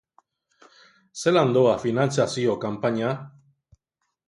Zelan doa finantzazio kanpaina?